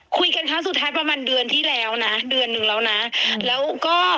ครั้งสุดท้ายประมาณเดือนที่แล้วนะเดือนหนึ่งแล้วนะแล้วก็